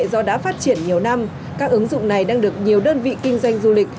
do đã phát triển nhiều năm các ứng dụng này đang được nhiều đơn vị kinh doanh du lịch